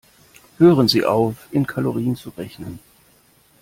Hören Sie auf, in Kalorien zu rechnen.